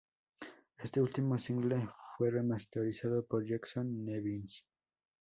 Este último single fue remasterizado por Jason Nevins.